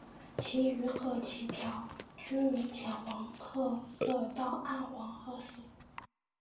其余各鳍条均为浅黄褐色到暗黄褐色。